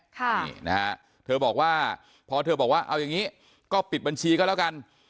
พอเธอบอกว่าเอาอย่างนี้ก็ปิดบัญชีเขาละกัน